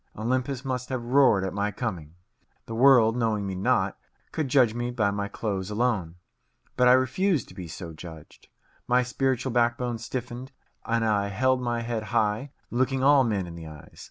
Olympus must have roared at my coming. The world, knowing me not, could judge me by my clothes alone. But I refused to be so judged. My spiritual backbone stiffened, and I held my head high, looking all men in the eyes.